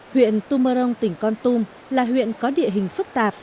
huyện tumarong tỉnh con tum là huyện có địa hình phức tạp